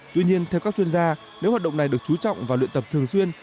tuy nhiên theo các chuyên gia nếu hoạt động này được chú trọng và luyện tập thường xuyên